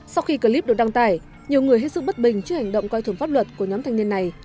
sau khi clip được đăng tải nhiều người hết sức bất bình trước hành động coi thường pháp luật của nhóm thanh niên này